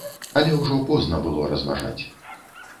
Але ўжо позна было разважаць.